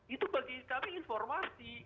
itu bagi kami informasi